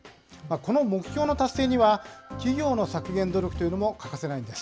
この目標の達成には、企業の削減努力というのも欠かせないんです。